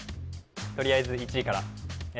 とりあえず１位からええ